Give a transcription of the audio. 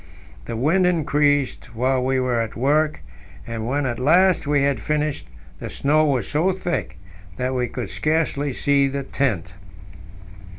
The wind increased while we were at work, and when at last we had finished, the snow was so thick that we could scarcely see the tent.